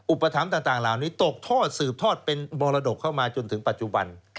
อุปถัมภ์ต่างเหล่านี้ตกทอดสืบทอดเป็นมรดกเข้ามาจนถึงปัจจุบัน